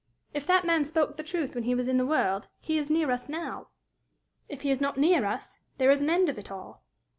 If that man spoke the truth when he was in the world, he is near us now; if he is not near us, there is an end of it all."